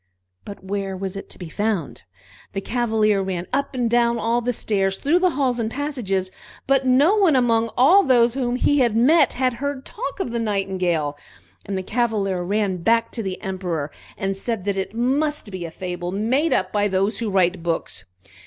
But where was it to be found? The Cavalier ran up and down all the stairs, through halls and passages, but no one among all those whom he met had heard talk of the Nightingale. And the Cavalier ran back to the Emperor, and said that it must be a fable made up by those who write books.